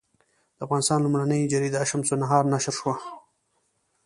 د افغانستان لومړنۍ جریده شمس النهار نشر شوه.